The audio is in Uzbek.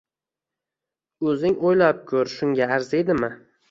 O`zing o`ylab ko`r, shunga arziydimi